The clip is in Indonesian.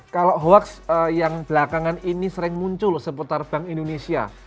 kalau hoax yang belakangan ini sering muncul seputar bank indonesia